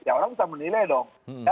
ya orang bisa menilai dong